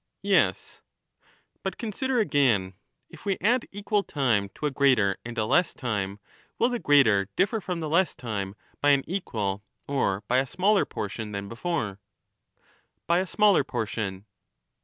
Yes. But consider again ; if we add equal time to a greater and But if an a less time, will the greater differ from the less time by an ^^^j^* equal or by a smaller portion than before ? to a greater By a smaller portion.